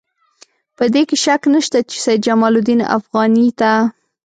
په دې کې شک نشته چې سید جمال الدین افغاني ته.